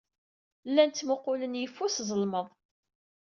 Llan ttmuqqulen yeffus, zelmeḍ.